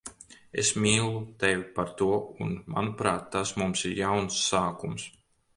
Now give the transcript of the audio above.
Es mīlu tevi par to un, manuprāt, tas mums ir jauns sākums.